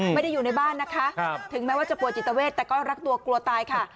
ไม่ได้อยู่ในบ้านนะคะถึงแม้ว่าจะป่วยจิตเวทแต่ก็รักตัวกลัวกลัวตายค่ะ